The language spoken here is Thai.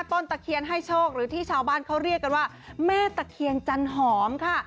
ตะเคียนให้โชคหรือที่ชาวบ้านเขาเรียกกันว่าแม่ตะเคียนจันหอมค่ะ